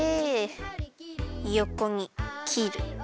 よこにきる。